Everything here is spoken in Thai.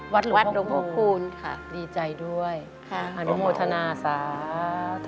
วัดหรือพวกคุณค่ะดีใจด้วยอนุโมทนาสาธุ